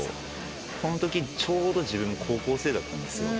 このときちょうど自分高校生だったんですよ。